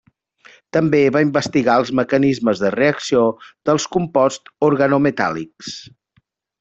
També va investigar els mecanismes de reacció dels composts organometàl·lics.